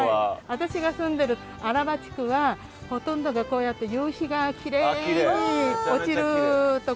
私が住んでる荒波地区はほとんどがこうやって夕日がきれいに落ちるとこなんですね